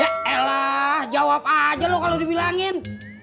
ya elah jawab aja loh kalo dibilangin